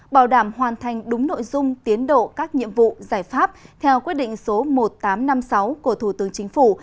bảo đảm hoàn thành đúng nội dung tiến độ các nhiệm vụ giải pháp theo quyết định số một nghìn tám trăm năm mươi sáu của thủ tướng chính phủ